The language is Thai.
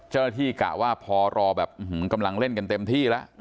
เจ้าหน้าที่กะว่าพอรอแบบอือหือกำลังเล่นกันเต็มที่ละ